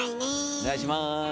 お願いします。